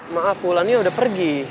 maaf ulannya udah pergi